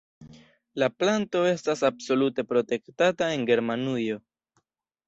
La planto estas absolute protektata en Germanujo.